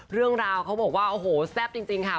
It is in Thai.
เรื่องราวเขาบอกว่าโอ้โหแซ่บจริงค่ะ